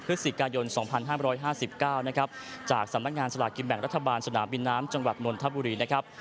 พฤศจิกายน๒๕๕๙นะครับจากสำนักงานสลากกินแบ่งรัฐบาลสนามบินน้ำจังหวัดนนทบุรีนะครับ